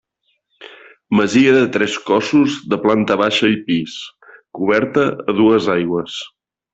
Masia de tres cossos de planta baixa i pis, coberta a dues aigües.